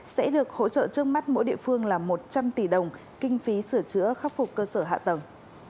sẽ được hỗ trợ trước mắt mỗi địa phương là một trăm linh tỷ đồng kinh phí sửa chữa khắc phục cơ sở hạ tầng